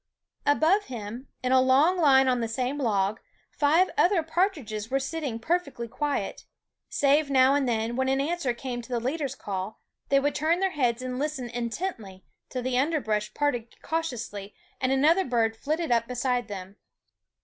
Above him, in a long line on the same log, five other partridges were sitting perfectly quiet, save now and then, when an answer came to the leader's call, they would turn their heads and listen intently till the under brush parted cautiously and another bird flitted up beside them.